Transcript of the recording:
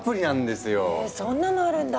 ヘそんなのあるんだ！